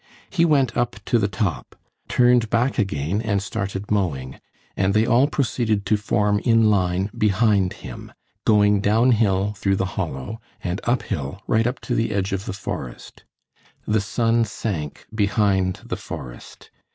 He went up to the top, turned back again and started mowing, and they all proceeded to form in line behind him, going downhill through the hollow and uphill right up to the edge of the forest. The sun sank behind the forest.